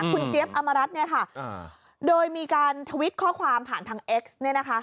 คุณเจี๊ยบอมรัฐเนี่ยค่ะโดยมีการทวิตข้อความผ่านทางเอ็กซ์เนี่ยนะคะ